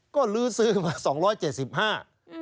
ก็ลื้อซื้อมา๒๕๐เนี่ย